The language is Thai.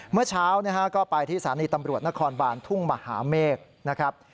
เมื่อเช้าก็ไปที่สถานีตำรวจนครบานทุ่งมหาเมฆนะครับ